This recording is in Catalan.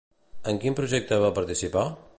En quin projecte va participar?